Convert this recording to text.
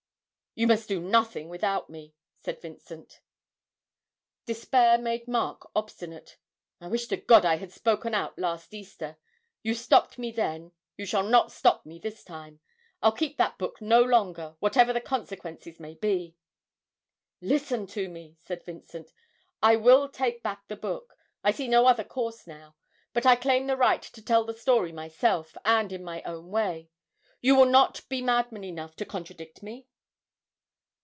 'You must do nothing without me!' said Vincent. Despair made Mark obstinate. 'I wish to God I had spoken out last Easter! You stopped me then you shall not stop me this time! I'll keep that book no longer, whatever the consequences may be.' 'Listen to me,' said Vincent. 'I will take back the book I see no other course now; but I claim the right to tell the story myself, and in my own way. You will not be madman enough to contradict me?'